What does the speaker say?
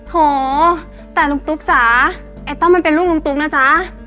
โหแต่ลุงตุ๊กจ๋าไอ้ต้อมมันเป็นลูกลุงตุ๊กนะจ๊ะ